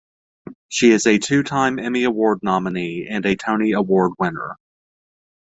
She is a two-time Emmy Award nominee and a Tony Award winner.